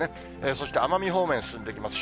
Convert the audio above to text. そして奄美方面へ進んできます。